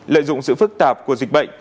lợi dụng sự phức tạp của dịch bệnh